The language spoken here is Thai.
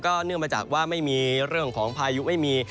เนื่องมาจากว่าไม่มีเรื่องของพายุไม่มี